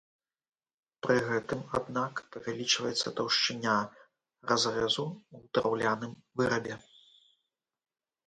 Пры гэтым, аднак, павялічваецца таўшчыня разрэзу ў драўляным вырабе.